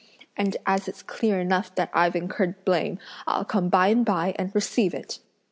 and as it's clear enough that I've incurred blame, I'll come by and by and receive it!"